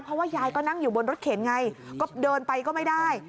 เพราะว่ายายก็นั่งอยู่บนรถเข็นไงก็เดินไปก็ไม่ได้